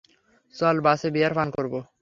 চল বাসে বিয়ার পান করব।